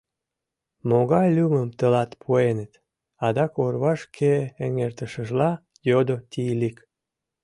— Могай лӱмым тылат пуэныт? — адак орвашке эҥертышыжла йодо Тиилик.